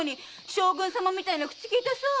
将軍様みたいな口きいてさ！